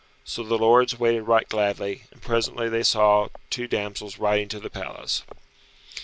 So the lords waited right gladly, and presently they saw two damsels come riding to the palace.